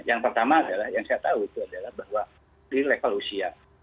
yang pertama adalah yang saya tahu itu adalah bahwa di level usia